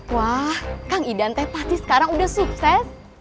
wah kang idan teh pasti sekarang udah sukses